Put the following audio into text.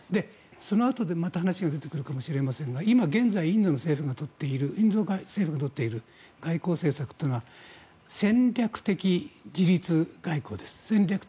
そのあとでまた話が出てくるかもしれませんが今現在、インド政府が取っている外交政策というのは戦略的自律外交です。